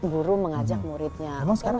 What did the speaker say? guru mengajak muridnya